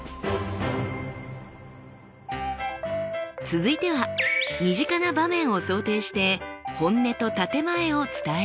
続いては身近な場面を想定して「本音」と「建て前」を伝えてみましょう。